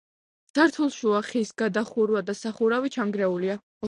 სართულშუა ხის გადახურვა და სახურავი ჩანგრეულია.